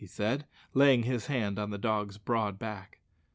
said he, laying his hand on the dog's broad back.